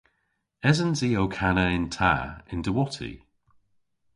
Esens i ow kana yn ta y'n diwotti?